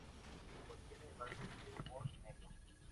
Contiene bases de humor negro.